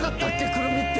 『くるみ』って。